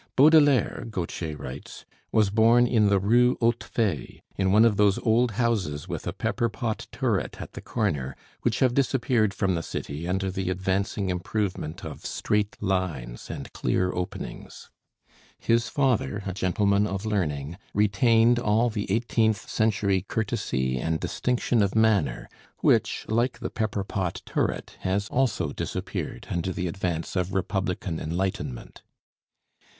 Baudelaire, Gautier writes, was born in the Rue Hautefeuille, in one of those old houses with a pepper pot turret at the corner which have disappeared from the city under the advancing improvement of straight lines and clear openings. His father, a gentleman of learning, retained all the eighteenth century courtesy and distinction of manner, which, like the pepper pot turret, has also disappeared under the advance of Republican enlightenment.